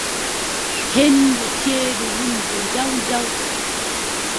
Henndu ceeɗu wulndu jaw jaw.